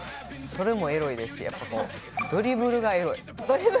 それもエロいですしやっぱもうドリブルがエロい！